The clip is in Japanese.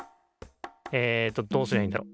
えっとどうすりゃいいんだろ。